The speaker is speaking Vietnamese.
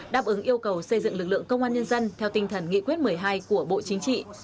đáp ứng yêu cầu xây dựng lực lượng công an nhân dân theo tinh thần nghị quyết một mươi hai của bộ chính trị